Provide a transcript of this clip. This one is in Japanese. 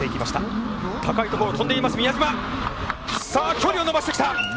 距離を伸ばしてきた！